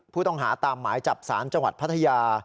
ผู้ต้องหาตามหมายจับสารจังหวัดพัทยา